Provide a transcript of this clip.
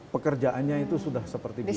pekerjaannya itu sudah seperti biasa